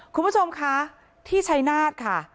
คุณผู้ชมคะที่ชัยนาธค่ะ